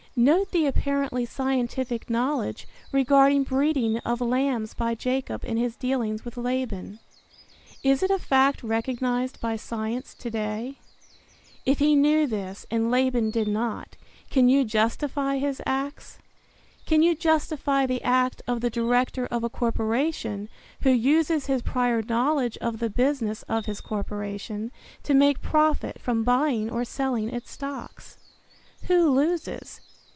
Note the apparently scientific knowledge regarding breeding of lambs by Jacob in his dealings with Laban. Is it a fact recognized by science to day? If he knew this and Laban did not, can you justify his acts? Can you justify the act of the director of a corporation who uses his prior knowledge of the business of his corporation to make profit from buying or selling its stocks? Who loses?